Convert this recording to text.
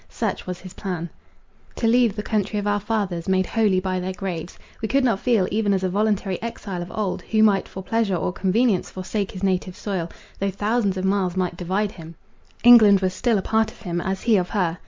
Such was his plan. To leave the country of our fathers, made holy by their graves!—We could not feel even as a voluntary exile of old, who might for pleasure or convenience forsake his native soil; though thousands of miles might divide him, England was still a part of him, as he of her.